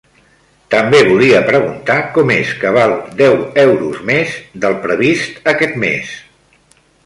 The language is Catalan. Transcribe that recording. També volia preguntar com és que val deu euros més del previst aquest mes.